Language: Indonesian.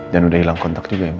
dan udah hilang kontak juga ya ma